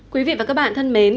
quý vị và các bạn thân mến